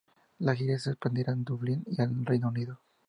La gira se expandirá a Dublín y al Reino Unido.